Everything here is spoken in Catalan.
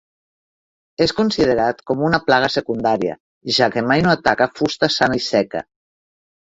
És considerat com una plaga secundària, ja que mai no ataca fusta sana i seca.